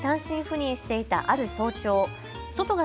長野市に単身赴任していたある早朝。